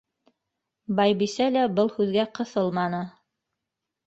Байбисә лә был һүҙгә ҡыҫылманы.